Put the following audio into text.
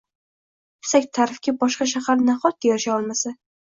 Yuksak ta’rifga boshqa shahar nahotki erisha olmasa?